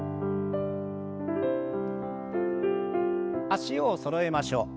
脚をそろえましょう。